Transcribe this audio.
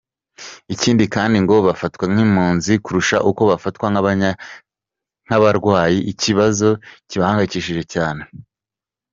Ikindi kandi ngo bafatwa nk’impunzi kurusha uko bafatwa nk’abarwayi; ikibazo kibahangayishije cyane.